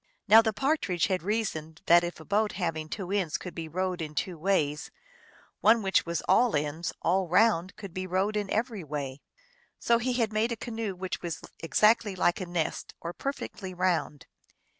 Now the Partridge had reasoned that if a boat having two ends could be rowed in two ways, one which was all ends, all round, could be rowed in every way. So he had made a canoe which was exactly like a nest, or perfectly round.